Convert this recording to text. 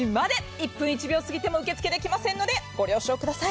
１分１秒過ぎても受け付けできませんのでご了承ください。